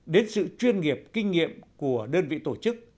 đến sự chuyên nghiệp kinh nghiệm của đơn vị tổ chức